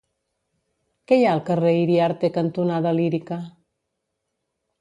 Què hi ha al carrer Iriarte cantonada Lírica?